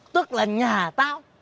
tức là nhà tao